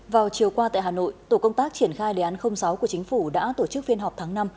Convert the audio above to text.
vào chiều qua tại hà nội tổ công tác triển khai đề án sáu của chính phủ đã tổ chức phiên họp tháng năm